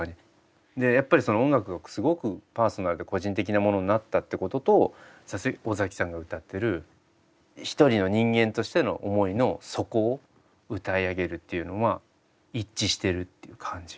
やっぱり音楽がすごくパーソナルで個人的なものになったってことと尾崎さんが歌ってる一人の人間としての思いの底を歌い上げるっていうのは一致してるっていう感じ。